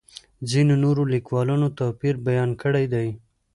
ځینو نورو لیکوالو توپیر بیان کړی دی.